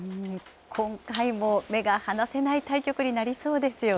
今回も目が離せない対局になりそうですよね。